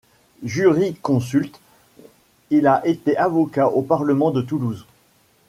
Juriconsulte, il a été avocat au Parlement de Toulouse.